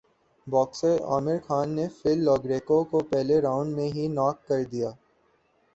boxer Amir Khan نے Phil Lo Greco کو پہلےرانڈ میں ہی ناک کر دیا